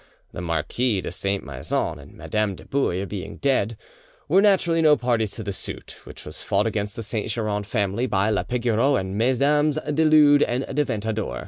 The Marquis de Saint Maixent and Madame de Bouille being dead, were naturally no parties to the suit, which was fought against the Saint Geran family by la Pigoreau and Mesdames du Lude and de Ventadour.